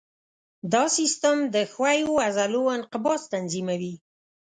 دا سیستم د ښویو عضلو انقباض تنظیموي.